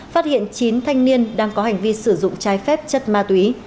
phát hiện chín thanh niên đang có hành vi sử dụng trái phép chất ma túy